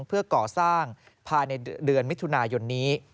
เพื่อก่อสร้างภายในเดือนมิถุนายนนี้